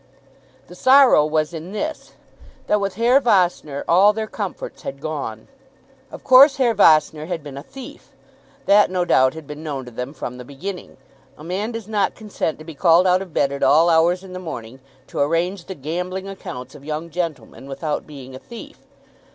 The sorrow was in this, that with Herr Vossner all their comforts had gone. Of course Herr Vossner had been a thief. That no doubt had been known to them from the beginning. A man does not consent to be called out of bed at all hours in the morning to arrange the gambling accounts of young gentlemen without being a thief.